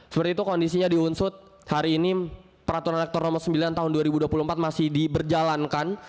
seperti itu kondisinya di unsut hari ini peraturan rektor nomor sembilan tahun dua ribu dua puluh empat masih diberjalankan